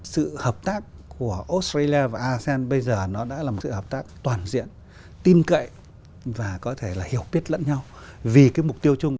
sự hợp tác của australia và asean bây giờ nó đã là một sự hợp tác toàn diện tin cậy và có thể là hiểu biết lẫn nhau vì cái mục tiêu chung